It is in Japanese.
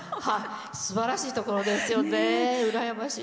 すばらしいところですよね羨ましい。